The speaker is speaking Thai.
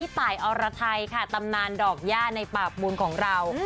ตายอรไทยค่ะตำนานดอกย่าในปากบุญของเรา